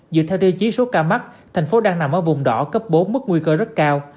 dựa theo tiêu chí số ca mắc thành phố đang nằm ở vùng đỏ cấp bốn mức nguy cơ rất cao